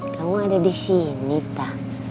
kamu ada di sini pak